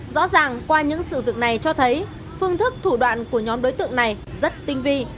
rõ ràng qua những sự việc này cho thấy phương thức thủ đoạn của nhóm đối tượng này rất tinh vi